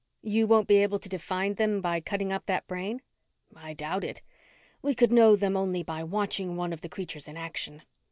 "You won't be able to define them by cutting up that brain?" "I doubt it. We could know them only by watching one of the creatures in action."